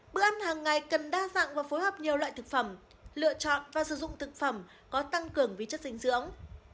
bữa ăn hàng ngày cần đa dạng và phối hợp nhiều loại thực phẩm lựa chọn và sử dụng thực phẩm có tăng cường vi chất dinh dưỡng